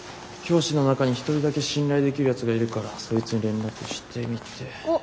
教師の中に１人だけ信頼できるやつがいるからそいつに連絡してみて。